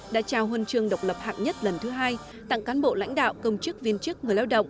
đã trao huân chương độc lập hạng nhất lần thứ hai tặng cán bộ lãnh đạo công chức viên chức người lao động